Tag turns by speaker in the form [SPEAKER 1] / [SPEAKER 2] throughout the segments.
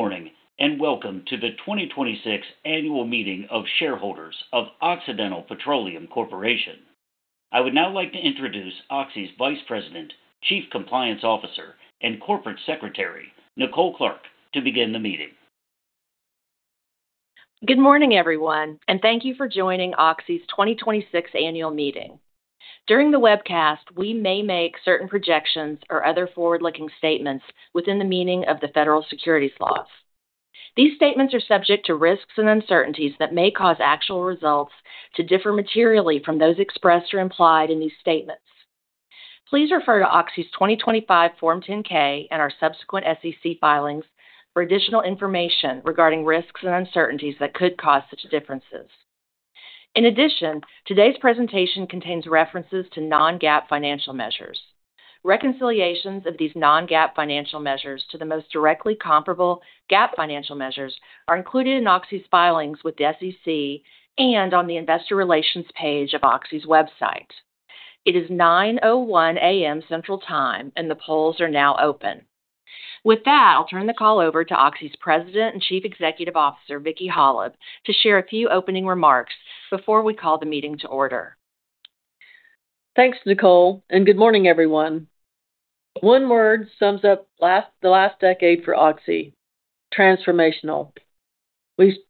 [SPEAKER 1] Good morning, and welcome to the 2026 Annual Meeting of Shareholders of Occidental Petroleum Corporation. I would now like to introduce Oxy's Vice President, Chief Compliance Officer, and Corporate Secretary, Nicole Clark, to begin the meeting.
[SPEAKER 2] Good morning, everyone, and thank you for joining Oxy's 2026 Annual Meeting. During the webcast, we may make certain projections or other forward-looking statements within the meaning of the federal securities laws. These statements are subject to risks and uncertainties that may cause actual results to differ materially from those expressed or implied in these statements. Please refer to Oxy's 2025 Form 10-K and our subsequent SEC filings for additional information regarding risks and uncertainties that could cause such differences. In addition, today's presentation contains references to non-GAAP financial measures. Reconciliations of these non-GAAP financial measures to the most directly comparable GAAP financial measures are included in Oxy's filings with the SEC and on the investor relations page of Oxy's website. It is 9:00 A.M. Central Time, and the polls are now open. With that, I'll turn the call over to Oxy's President and Chief Executive Officer, Vicki Hollub, to share a few opening remarks before we call the meeting to order.
[SPEAKER 3] Thanks, Nicole. Good morning, everyone. One word sums up the last decade for Oxy: transformational. We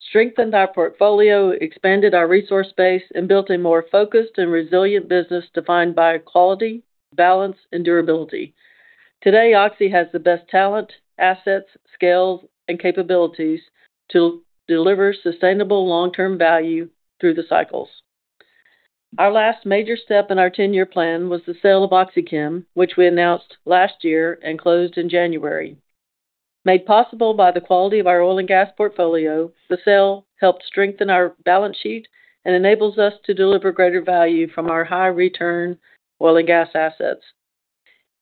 [SPEAKER 3] strengthened our portfolio, expanded our resource base, and built a more focused and resilient business defined by quality, balance, and durability. Today, Oxy has the best talent, assets, scales, and capabilities to deliver sustainable long-term value through the cycles. Our last major step in our 10-year plan was the sale of OxyChem, which we announced last year and closed in January. Made possible by the quality of our oil and gas portfolio, the sale helped strengthen our balance sheet and enables us to deliver greater value from our high-return oil and gas assets.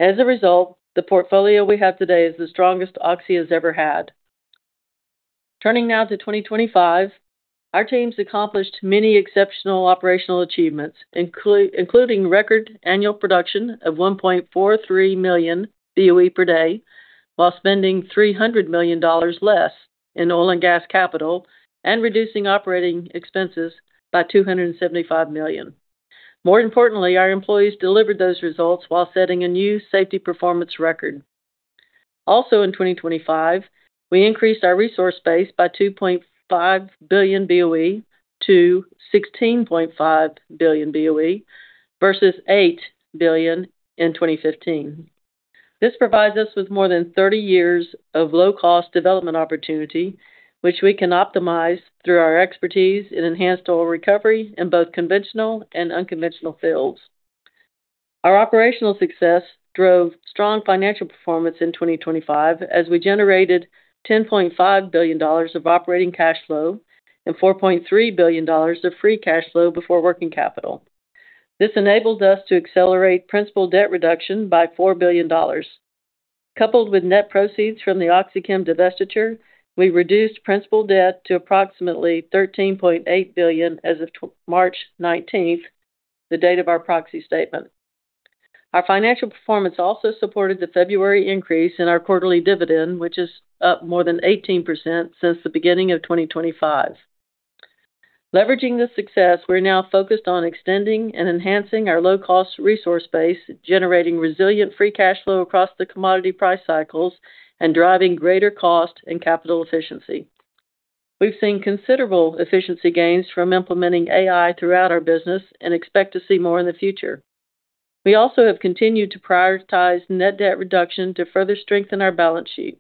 [SPEAKER 3] As a result, the portfolio we have today is the strongest Oxy has ever had. Turning now to 2025, our teams accomplished many exceptional operational achievements, including record annual production of 1.43 million BOE per day, while spending $300 million less in oil and gas capital and reducing operating expenses by $275 million. More importantly, our employees delivered those results while setting a new safety performance record. Also in 2025, we increased our resource base by 2.5 billion BOE to 16.5 billion BOE versus 8 billion in 2015. This provides us with more than 30 years of low-cost development opportunity, which we can optimize through our expertise in enhanced oil recovery in both conventional and unconventional fields. Our operational success drove strong financial performance in 2025 as we generated $10.5 billion of operating cash flow and $4.3 billion of free cash flow before working capital. This enabled us to accelerate principal debt reduction by $4 billion. Coupled with net proceeds from the OxyChem divestiture, we reduced principal debt to approximately $13.8 billion as of March 19th, the date of our proxy statement. Our financial performance also supported the February increase in our quarterly dividend, which is up more than 18% since the beginning of 2025. Leveraging this success, we're now focused on extending and enhancing our low-cost resource base, generating resilient free cash flow across the commodity price cycles, and driving greater cost and capital efficiency. We've seen considerable efficiency gains from implementing AI throughout our business and expect to see more in the future. We also have continued to prioritize net debt reduction to further strengthen our balance sheet.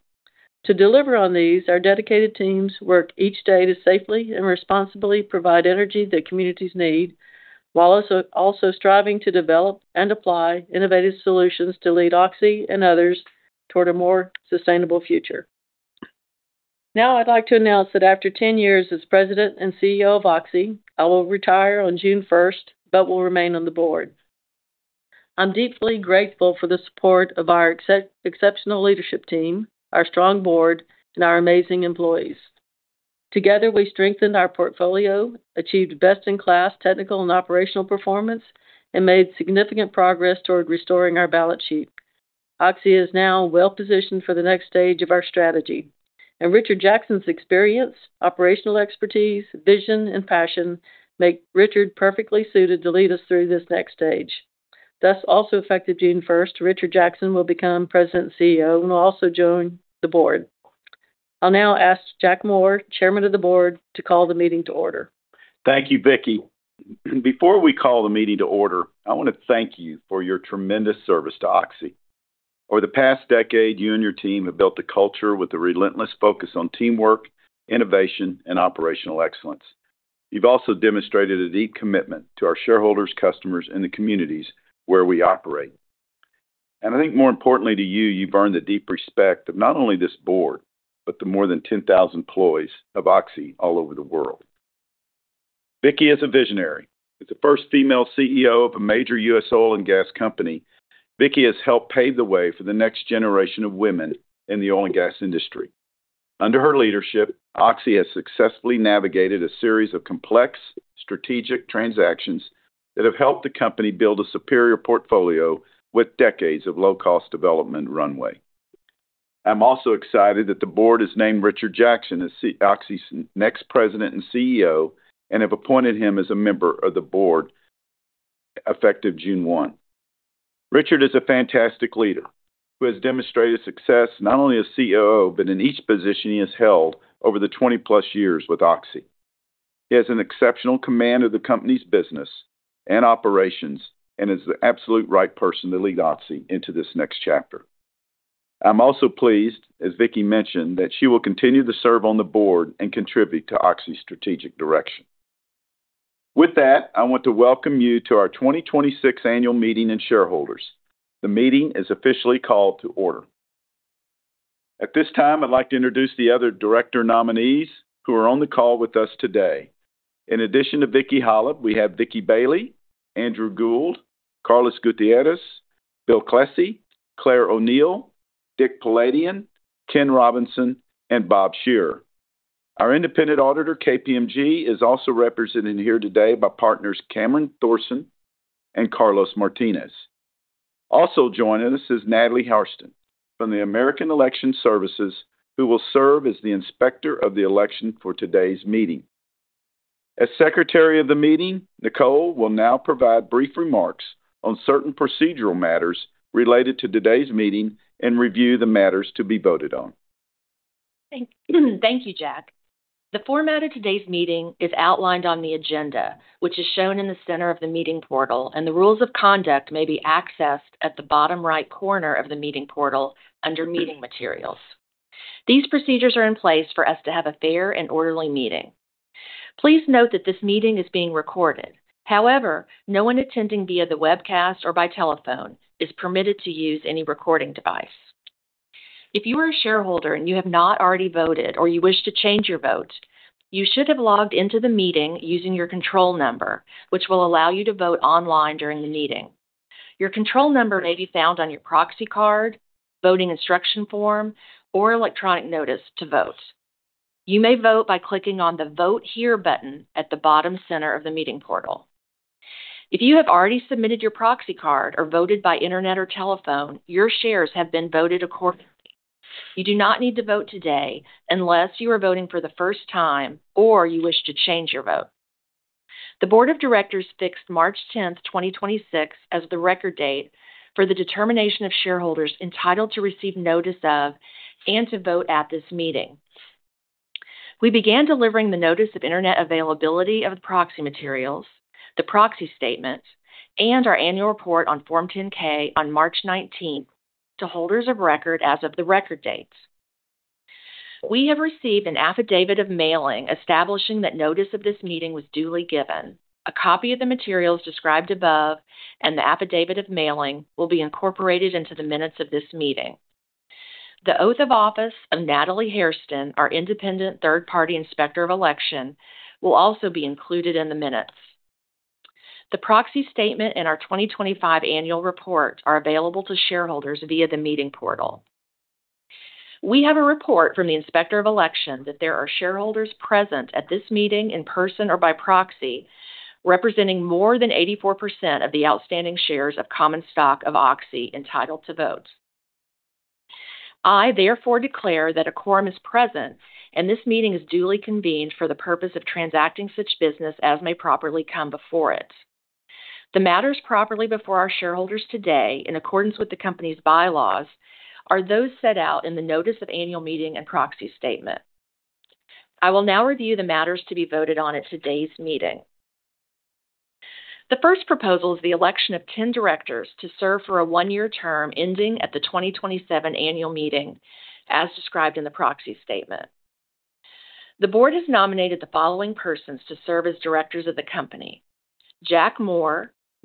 [SPEAKER 3] To deliver on these, our dedicated teams work each day to safely and responsibly provide energy that communities need, while also striving to develop and apply innovative solutions to lead Oxy and others toward a more sustainable future. Now I'd like to announce that after 10 years as President and CEO of Oxy, I will retire on June 1st but will remain on the Board. I'm deeply grateful for the support of our exceptional leadership team, our strong Board, and our amazing employees. Together, we strengthened our portfolio, achieved best-in-class technical and operational performance, and made significant progress toward restoring our balance sheet. Oxy is now well-positioned for the next stage of our strategy, Richard Jackson's experience, operational expertise, vision, and passion make Richard perfectly suited to lead us through this next stage. Also effective June 1st, Richard Jackson will become President and CEO and will also join the board. I'll now ask Jack Moore, Chairman of the Board, to call the meeting to order.
[SPEAKER 4] Thank you, Vicki. Before we call the meeting to order, I wanna thank you for your tremendous service to Oxy. Over the past decade, you and your team have built a culture with a relentless focus on teamwork, innovation, and operational excellence. You've also demonstrated a deep commitment to our shareholders, customers, and the communities where we operate. I think more importantly to you've earned the deep respect of not only this Board, but the more than 10,000 employees of Oxy all over the world. Vicki is a visionary. As the first female CEO of a major U.S. oil and gas company, Vicki has helped pave the way for the next generation of women in the oil and gas industry. Under her leadership, Oxy has successfully navigated a series of complex strategic transactions that have helped the company build a superior portfolio with decades of low-cost development runway. I'm also excited that the Board has named Richard Jackson as Oxy's next President and CEO and have appointed him as a member of the Board effective June 1. Richard is a fantastic leader who has demonstrated success not only as COO, but in each position he has held over the 20+ years with Oxy. He has an exceptional command of the company's business and operations and is the absolute right person to lead Oxy into this next chapter. I'm also pleased, as Vicki mentioned, that she will continue to serve on the board and contribute to Oxy's strategic direction. With that, I want to welcome you to our 2026 annual meeting and shareholders. The meeting is officially called to order. At this time, I'd like to introduce the other director nominees who are on the call with us today. In addition to Vicki Hollub, we have Vicky Bailey, Andrew Gould, Carlos Gutierrez, Bill Klesse, Claire O'Neill, Dick Poladian, Ken Robinson, and Bob Shearer. Our Independent Auditor, KPMG, is also represented here today by partners Camaron Thorson and Carlos Martinez. Also joining us is Natalie Hairston from the American Election Services, who will serve as the Inspector of the Election for today's meeting. As Secretary of the meeting, Nicole will now provide brief remarks on certain procedural matters related to today's meeting and review the matters to be voted on.
[SPEAKER 2] Thank you, Jack. The format of today's meeting is outlined on the agenda, which is shown in the center of the meeting portal, and the rules of conduct may be accessed at the bottom right corner of the meeting portal under Meeting Materials. These procedures are in place for us to have a fair and orderly meeting. Please note that this meeting is being recorded. However, no one attending via the webcast or by telephone is permitted to use any recording device. If you are a shareholder and you have not already voted or you wish to change your vote, you should have logged into the meeting using your control number, which will allow you to vote online during the meeting. Your control number may be found on your proxy card, voting instruction form, or electronic notice to vote. You may vote by clicking on the Vote Here button at the bottom center of the meeting portal. If you have already submitted your proxy card or voted by internet or telephone, your shares have been voted accordingly. You do not need to vote today unless you are voting for the first time or you wish to change your vote. The Board of Directors fixed March 10th, 2026 as the record date for the determination of shareholders entitled to receive notice of and to vote at this meeting. We began delivering the notice of internet availability of the proxy materials, the proxy statement, and our Annual Report on Form 10-K on March 19th to holders of record as of the record dates. We have received an affidavit of mailing establishing that notice of this meeting was duly given. A copy of the materials described above and the affidavit of mailing will be incorporated into the minutes of this meeting. The oath of office of Natalie Hairston, our independent third-party Inspector of Election, will also be included in the minutes. The proxy statement and our 2025 Annual Report are available to shareholders via the meeting portal. We have a report from the Inspector of Election that there are shareholders present at this meeting in person or by proxy, representing more than 84% of the outstanding shares of common stock of Oxy entitled to vote. I therefore declare that a quorum is present, and this meeting is duly convened for the purpose of transacting such business as may properly come before it. The matters properly before our shareholders today, in accordance with the company's bylaws, are those set out in the notice of annual meeting and proxy statement. I will now review the matters to be voted on at today's meeting. The first proposal is the election of 10 directors to serve for a one-year term ending at the 2027 Annual Meeting, as described in the proxy statement. The Board has nominated the following persons to serve as directors of the company: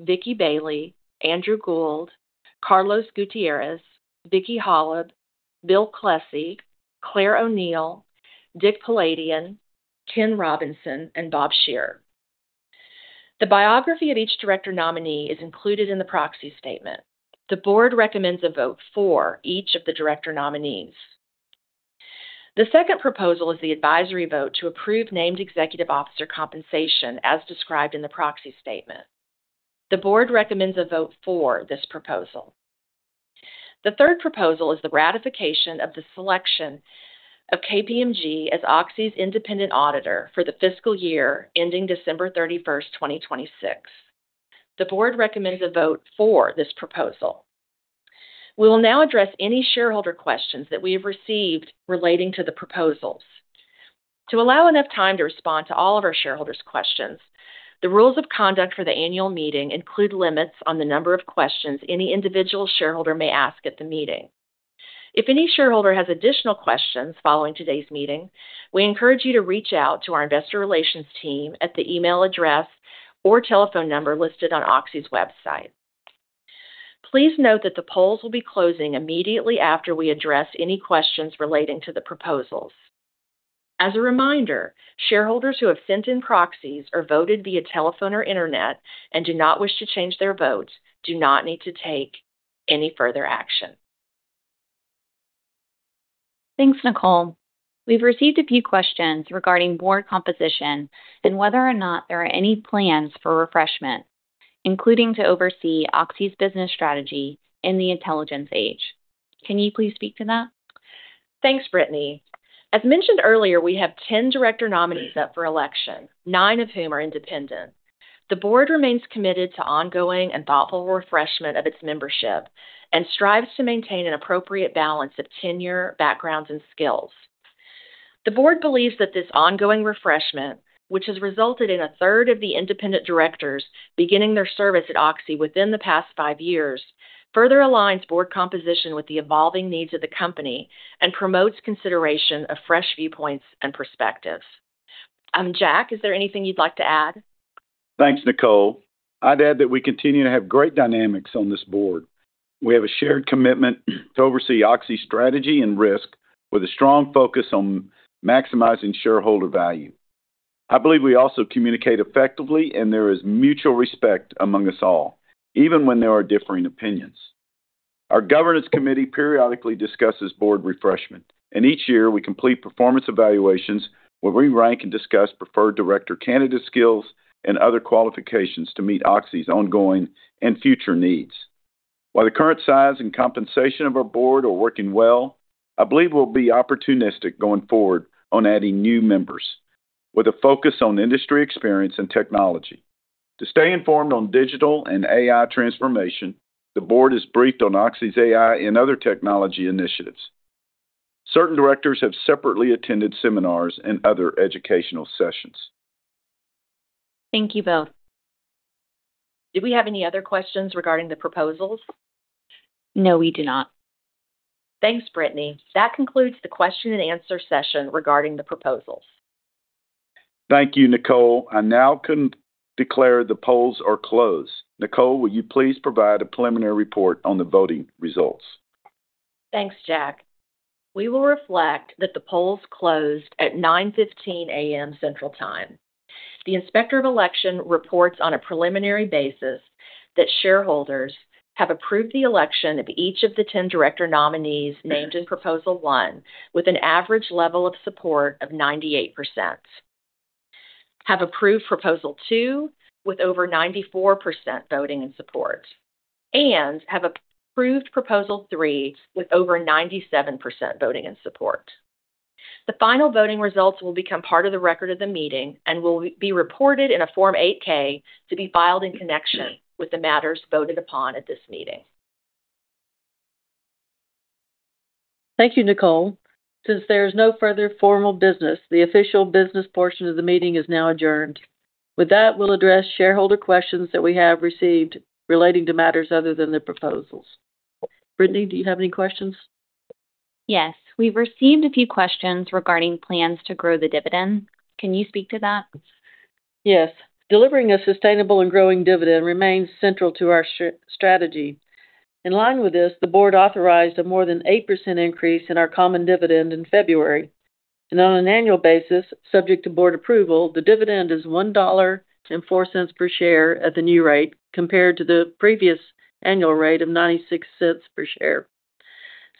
[SPEAKER 2] Jack Moore, Vicky Bailey, Andrew Gould, Carlos M. Gutierrez, Vicki Hollub, William Klesse, Claire O'Neill, Dick Poladian, Ken Robinson, and Bob Shearer. The biography of each Director nominee is included in the proxy statement. The Board recommends a vote for each of the Director nominees. The second proposal is the advisory vote to approve named executive officer compensation as described in the proxy statement. The Board recommends a vote for this proposal. The third proposal is the ratification of the selection of KPMG as Oxy's Independent Auditor for the fiscal year ending December 31st, 2026. The board recommends a vote for this proposal. We will now address any shareholder questions that we have received relating to the proposals. To allow enough time to respond to all of our shareholders' questions, the rules of conduct for the Annual Meeting include limits on the number of questions any individual shareholder may ask at the meeting. If any shareholder has additional questions following today's meeting, we encourage you to reach out to our investor relations team at the email address or telephone number listed on Oxy's website. Please note that the polls will be closing immediately after we address any questions relating to the proposals. As a reminder, shareholders who have sent in proxies or voted via telephone or internet and do not wish to change their votes do not need to take any further action.
[SPEAKER 5] Thanks, Nicole. We've received a few questions regarding board composition and whether or not there are any plans for refreshment, including to oversee Oxy's business strategy in the intelligence age. Can you please speak to that?
[SPEAKER 2] Thanks, Brittany. As mentioned earlier, we have 10 Director nominees up for election, nine of whom are independent. The Board remains committed to ongoing and thoughtful refreshment of its membership and strives to maintain an appropriate balance of tenure, backgrounds, and skills. The Board believes that this ongoing refreshment, which has resulted in a third of the Independent Directors beginning their service at Oxy within the past five years, further aligns board composition with the evolving needs of the company and promotes consideration of fresh viewpoints and perspectives. Jack, is there anything you'd like to add?
[SPEAKER 4] Thanks, Nicole. I'd add that we continue to have great dynamics on this board. We have a shared commitment to oversee Oxy strategy and risk with a strong focus on maximizing shareholder value. I believe we also communicate effectively, and there is mutual respect among us all, even when there are differing opinions. Our governance committee periodically discusses Board refreshment, and each year we complete performance evaluations where we rank and discuss preferred director candidate skills and other qualifications to meet Oxy's ongoing and future needs. While the current size and compensation of our Board are working well, I believe we'll be opportunistic going forward on adding new members with a focus on industry experience and technology. To stay informed on digital and AI transformation, the Board is briefed on Oxy's AI and other technology initiatives. Certain directors have separately attended seminars and other educational sessions.
[SPEAKER 5] Thank you both.
[SPEAKER 2] Do we have any other questions regarding the proposals?
[SPEAKER 5] No, we do not.
[SPEAKER 2] Thanks, Brittany. That concludes the question-and-answer session regarding the proposals.
[SPEAKER 4] Thank you, Nicole. I now can declare the polls are closed. Nicole, will you please provide a preliminary report on the voting results?
[SPEAKER 2] Thanks, Jack. We will reflect that the polls closed at 9:15 A.M. Central Time. The Inspector of Election reports on a preliminary basis that shareholders have approved the election of each of the 10 director nominees named in Proposal 1 with an average level of support of 98%, have approved Proposal 2 with over 94% voting in support, and have approved Proposal 3 with over 97% voting in support. The final voting results will become part of the record of the meeting and will be reported in a Form 8-K to be filed in connection with the matters voted upon at this meeting.
[SPEAKER 3] Thank you, Nicole. Since there is no further formal business, the official business portion of the meeting is now adjourned. With that, we'll address shareholder questions that we have received relating to matters other than the proposals. Brittany, do you have any questions?
[SPEAKER 5] Yes. We've received a few questions regarding plans to grow the dividend. Can you speak to that?
[SPEAKER 3] Yes. Delivering a sustainable and growing dividend remains central to our strategy. In line with this, the board authorized a more than 8% increase in our common dividend in February. On an annual basis, subject to Board approval, the dividend is $1.04 per share at the new rate compared to the previous annual rate of $0.96 per share.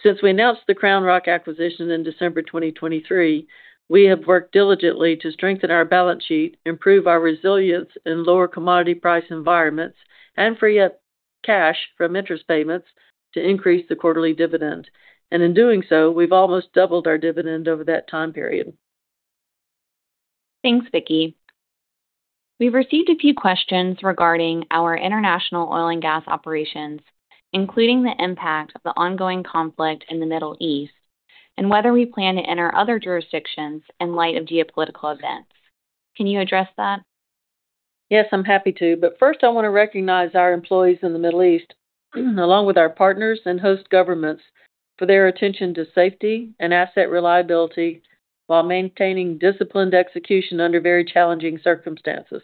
[SPEAKER 3] Since we announced the CrownRock acquisition in December 2023, we have worked diligently to strengthen our balance sheet, improve our resilience in lower commodity price environments, and free up cash from interest payments to increase the quarterly dividend. In doing so, we've almost doubled our dividend over that time period.
[SPEAKER 5] Thanks, Vicki. We've received a few questions regarding our international oil and gas operations, including the impact of the ongoing conflict in the Middle East and whether we plan to enter other jurisdictions in light of geopolitical events. Can you address that?
[SPEAKER 3] Yes, I'm happy to. First, I wanna recognize our employees in the Middle East, along with our partners and host governments, for their attention to safety and asset reliability while maintaining disciplined execution under very challenging circumstances.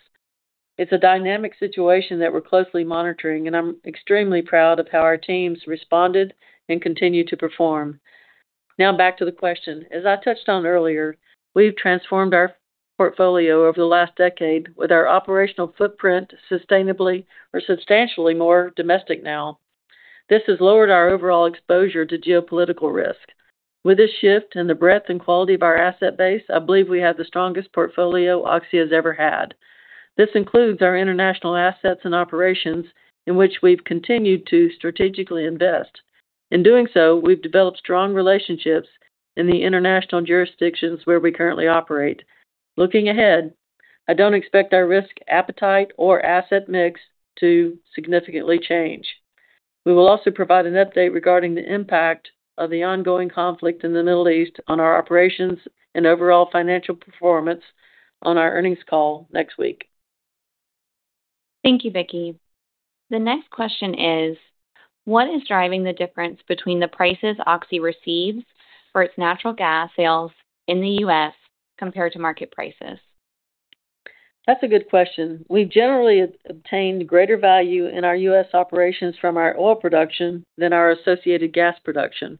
[SPEAKER 3] It's a dynamic situation that we're closely monitoring, and I'm extremely proud of how our teams responded and continue to perform. Back to the question. As I touched on earlier, we've transformed our portfolio over the last decade with our operational footprint sustainably or substantially more domestic now. This has lowered our overall exposure to geopolitical risk. With this shift in the breadth and quality of our asset base, I believe we have the strongest portfolio Oxy has ever had. This includes our international assets and operations in which we've continued to strategically invest. In doing so, we've developed strong relationships in the international jurisdictions where we currently operate. Looking ahead, I don't expect our risk appetite or asset mix to significantly change. We will also provide an update regarding the impact of the ongoing conflict in the Middle East on our operations and overall financial performance on our earnings call next week.
[SPEAKER 5] Thank you, Vicki. The next question is: what is driving the difference between the prices Oxy receives for its natural gas sales in the U.S. compared to market prices?
[SPEAKER 3] That's a good question. We've generally obtained greater value in our U.S. operations from our oil production than our associated gas production.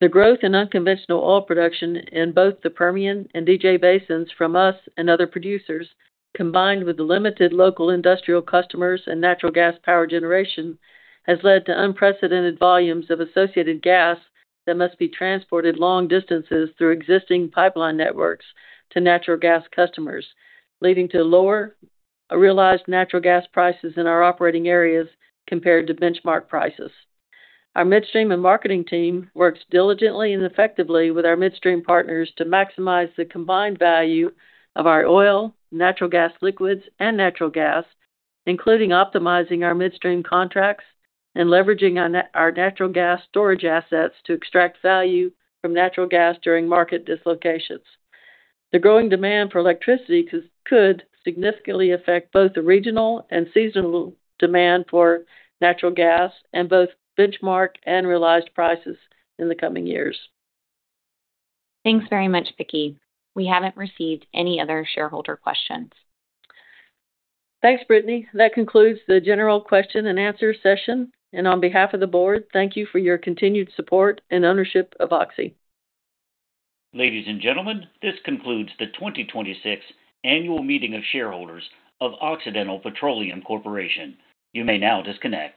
[SPEAKER 3] The growth in unconventional oil production in both the Permian and DJ basins from us and other producers, combined with the limited local industrial customers and natural gas power generation, has led to unprecedented volumes of associated gas that must be transported long distances through existing pipeline networks to natural gas customers, leading to lower realized natural gas prices in our operating areas compared to benchmark prices. Our midstream and marketing team works diligently and effectively with our midstream partners to maximize the combined value of our oil, natural gas liquids, and natural gas, including optimizing our midstream contracts and leveraging our natural gas storage assets to extract value from natural gas during market dislocations. The growing demand for electricity could significantly affect both the regional and seasonal demand for natural gas and both benchmark and realized prices in the coming years.
[SPEAKER 5] Thanks very much, Vicki. We haven't received any other shareholder questions.
[SPEAKER 3] Thanks, Brittany. That concludes the general question-and-answer session. On behalf of the Board, thank you for your continued support and ownership of Oxy.
[SPEAKER 4] Ladies and gentlemen, this concludes the 2026 annual meeting of shareholders of Occidental Petroleum Corporation. You may now disconnect.